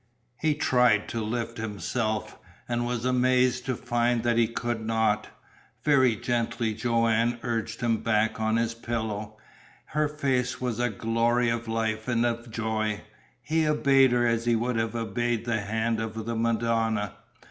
He tried to lift himself, and was amazed to find that he could not. Very gently Joanne urged him back on his pillow. Her face was a glory of life and of joy. He obeyed her as he would have obeyed the hand of the Madonna.